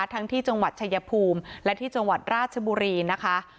ทั้งที่จังหวัดชายภูมิและที่จังหวัดราชบุรีนะคะ